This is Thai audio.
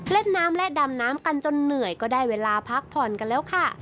เล่นน้ำและดำน้ำกันจนเหนื่อยก็ได้เวลาพักผ่อนกันแล้วค่ะ